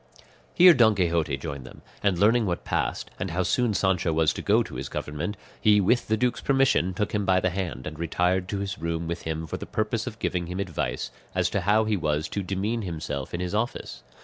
Here Don Quixote joined them; and learning what passed, and how soon Sancho was to go to his government, he with the duke's permission took him by the hand, and retired to his room with him for the purpose of giving him advice as to how he was to demean himself in his office.